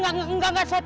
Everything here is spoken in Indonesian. haji sulam tabrakan